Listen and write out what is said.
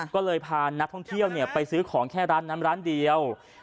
ก็เลยพานักท่องเที่ยวไปซื้อของแค่ร้านนั้นร้านเดียว